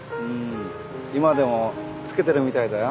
今でもつけてるみたいだよ。